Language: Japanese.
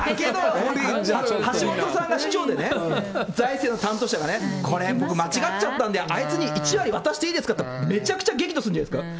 橋下さんが市長でね、財政の担当者がこれ、僕間違っちゃったんで、あいつに１割渡していいですかって聞いたら、めちゃくちゃ激怒するんじゃないですか。